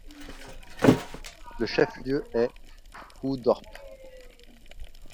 Le chef-lieu est Hoofddorp.